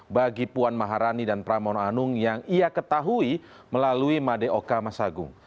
bagi puan maharani dan pramono anung yang ia ketahui melalui madeoka masagung